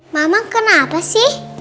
mama kenapa sih